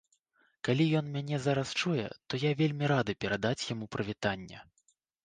Калі ён мяне зараз чуе, то я вельмі рады перадаць яму прывітанне.